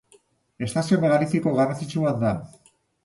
Estazio megalitiko garrantzitsu bat da.